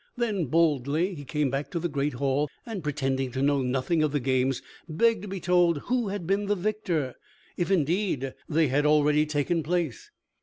Then boldly he came back to the great hall, and pretending to know nothing of the games begged to be told who had been the victor, if indeed they had already taken place.